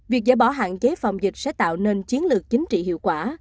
việc giải bỏ hạn chế phòng dịch sẽ tạo nên chiến lược chính trị hiệu quả